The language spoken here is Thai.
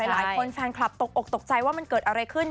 หลายหลายคนแฟนคลับตกอกตกใจว่ามันเกิดอะไรขึ้น